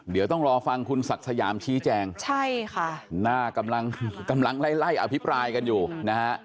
เดี๋ยวต้องรอฟังคุณศักดิ์สยามชี้แจงใช่ค่ะหน้ากำลังกำลังไล่ไล่อภิปรายกันอยู่นะฮะ